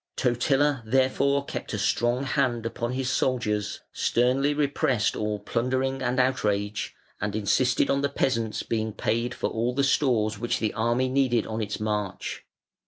Totila therefore kept a strong hand upon his soldiers, sternly repressed all plundering and outrage, and insisted on the peasants being paid for all the stores which the army needed on its march.